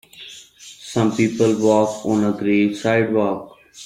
Some people walk on a gray sidewalk.